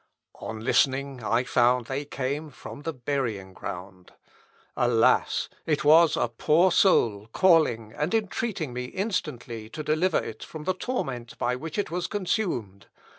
On listening I found they came from the burying ground. Alas! it was a poor soul calling and entreating me instantly to deliver it from the torment by which it was consumed.